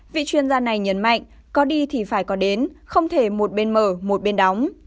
vị chuyên gia này nhấn mạnh có đi thì phải có đến không thể một bên mở một bên đóng